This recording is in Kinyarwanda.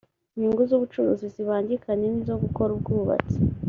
inyungu z ‘ubucuruzi zibangikanye nizukora ubwubatsi.